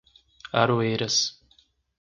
Aroeiras